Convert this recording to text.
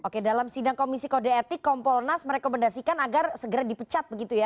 oke dalam sidang komisi kode etik kompolnas merekomendasikan agar segera dipecat begitu ya